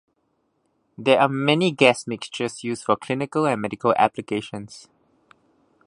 There are many gas mixtures used for clinical and medical applications.